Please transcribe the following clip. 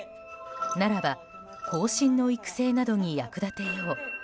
ならば後進の育成などに役立てよう。